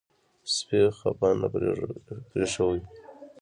سپي خفه نه پرېښوئ.